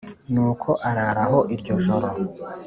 Nuko arara aho iryo joro